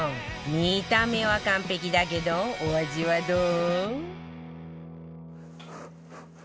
見た目は完璧だけどお味はどう？